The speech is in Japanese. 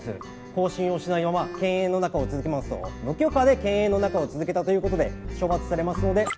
更新をしないまま犬猿の仲を続けますと無許可で犬猿の仲を続けたという事で処罰されますので。